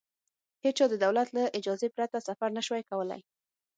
هېچا د دولت له اجازې پرته سفر نه شوای کولای.